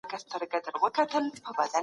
موږ بايد خپل فکرونه ازاد پرېږدو.